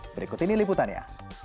berikut ini liputannya